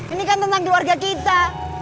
ini kan tentang keluarga kita